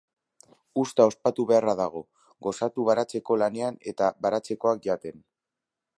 Uzta ospatu beharra dago. Gozatu baratzeko lanean eta baratzekoak jaten.